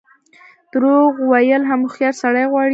درواغ ویل هم هوښیار سړی غواړي.